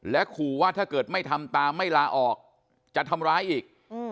และขู่ว่าถ้าเกิดไม่ทำตามไม่ลาออกจะทำร้ายอีก